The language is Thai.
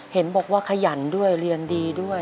เห็นบอกว่าขยันด้วยเรียนดีด้วย